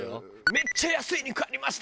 「めっちゃ安い肉ありました！」